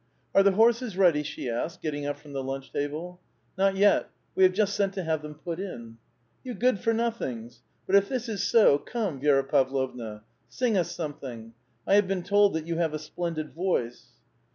'*" Are the horses ready?" she asked, getting up from the lunch table. '* Not yet. We have just sent to have them put in." " You good for nothings ! But if this is so, come, Vi^ra Pavlovna, sing us something ; I have been told that you have a splendid voice."